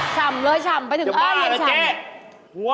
ฉ่ำเลยฉ่ำไปถึงอ้านเย็นฉ่ำนี่อย่าบ้าแล้วเจ๊